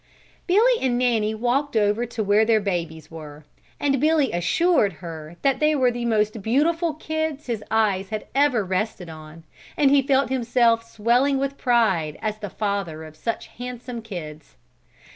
Billy and Nanny walked over to where their babies were, and Billy assured her that they were the most beautiful kids his eyes had ever rested on, and he felt himself swelling with pride as the father of such handsome kids.